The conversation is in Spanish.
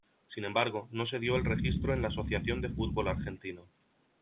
Sin embargo, no se dio el registro en la Asociación de Fútbol Argentino.